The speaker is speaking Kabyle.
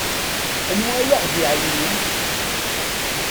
Anwa ay aɣ-d-iɛeyynen?